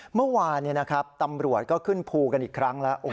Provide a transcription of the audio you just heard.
เมื่อวานตำรวจก็ขึ้นภูกันอีกครั้งแล้ว